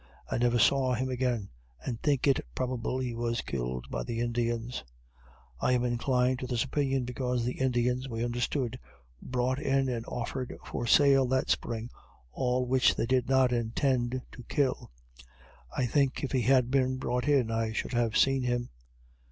I never saw him again, and think it probable that he was killed by the Indians I am inclined to this opinion because the Indians, we understood, brought in and offered for sale, that spring, all which they did not intend to kill. I think if he had been brought in I should have seen him.